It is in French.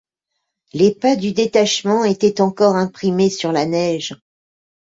Les pas du détachement étaient encore imprimés sur la neige!...